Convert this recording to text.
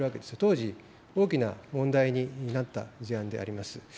当時、大きな問題になった事案であります。